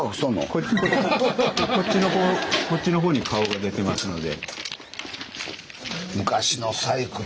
こっちの方に顔が出てますので。